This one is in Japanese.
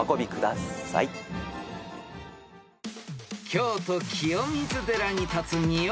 ［京都清水寺に立つ仁王